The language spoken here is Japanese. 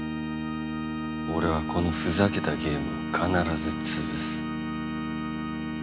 俺はこのふざけたゲームを必ずつぶす。